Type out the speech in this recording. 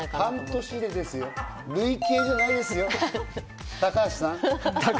半年間ですよ、累計じゃないですよ、高橋さん。